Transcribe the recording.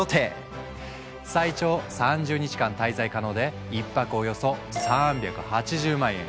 最長３０日間滞在可能で１泊およそ３８０万円。